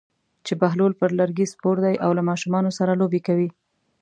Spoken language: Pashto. چې بهلول پر لرګي سپور دی او له ماشومانو سره لوبې کوي.